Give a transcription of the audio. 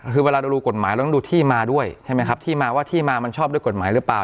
เราต้องดูที่มาด้วยใช่ไหมครับที่มาว่าที่มามันชอบด้วยกฎหมายหรือเปล่า